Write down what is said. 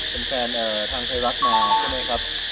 เป็นแฟนทางไทยรักนะครับ